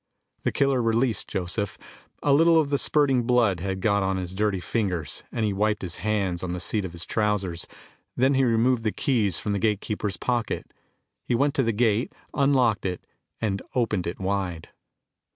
The killer released Joseph. A little of the spurting blood had got on his dirty fingers, and he wiped his hands on the seat of his trousers. Then he removed the keys from the gate keeper's pocket. He went to the gate, unlocked it, and opened it wide.